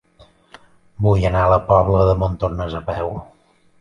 Vull anar a la Pobla de Montornès a peu.